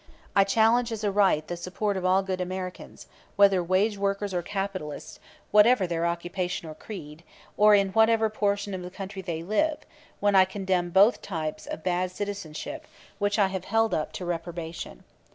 I challenge as a right the support of all good Americans, whether wage workers or capitalists, whatever their occupation or creed, or in whatever portion of the country they live, when I condemn both the types of bad citizenship which I have held up to reprobation.